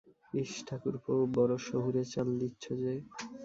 -ইস, ঠাকুরপো, বড় শহুরে চাল দিচ্ছ যে!